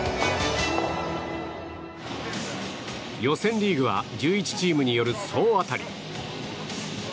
予選リーグは１１チームによる総当たり。